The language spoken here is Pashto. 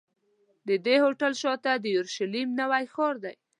د دې هوټل شاته د یورشلېم نوی ښار دی.